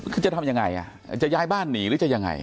คือจะทำยังไงจะย้ายบ้านหนีหรือจะยังไง